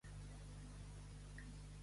A mitja ració, ningú no es mor.